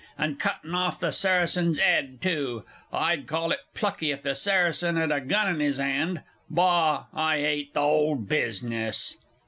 And cuttin' off the Saracen's 'ed, too; I'd call it plucky if the Saracen 'ad a gun in his 'and. Bah, I 'ate the 'ole business!